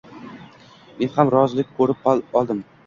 Men ham hozirlik koʻrib oldim.